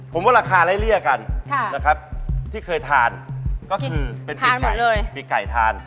ผมว่าราคาไล่เลี่ยกันนะครับที่เคยทานก็คือเป็นปีกไก่เลยมีไก่ทาน